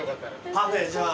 パフェじゃあ。